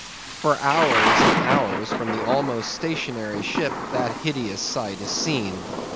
For hours and hours from the almost stationary ship that hideous sight is seen.